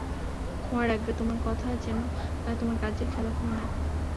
মনে রাখবে, তোমার কথা যেন তোমার কাজের খেলাফ না হয়।